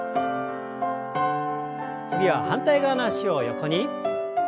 次は反対側の脚を横に。